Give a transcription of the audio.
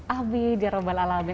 ah bi diaroban alamin